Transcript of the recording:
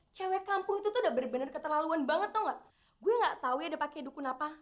lawangan yang ada cuma ini kalau nggak mau kerja di sini silahkan pergi